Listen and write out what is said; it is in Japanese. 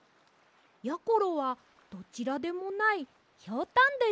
やころはどちらでもないひょうたんです。